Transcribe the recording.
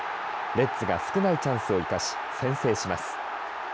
レッズが少ないチャンスを生かし先制します。